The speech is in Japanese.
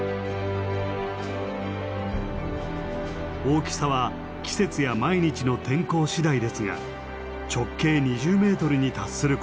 大きさは季節や毎日の天候次第ですが直径２０メートルに達することも。